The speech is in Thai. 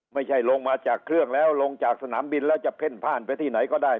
ลงมาจากเครื่องแล้วลงจากสนามบินแล้วจะเพ่นพ่านไปที่ไหนก็ได้